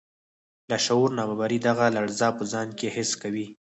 لاشعور ناببره دغه لړزه په ځان کې حس کوي